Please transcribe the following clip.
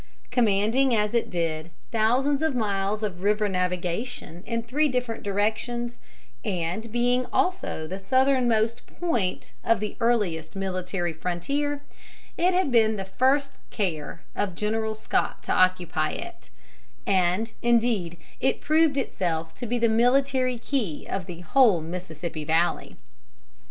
Commanding, as it did, thousands of miles of river navigation in three different directions, and being also the southernmost point of the earliest military frontier, it had been the first care of General Scott to occupy it; and, indeed, it proved itself to be the military key of the whole Mississippi valley.